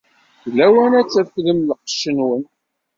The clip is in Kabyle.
D lawan ad trefdem lqecc-nwen.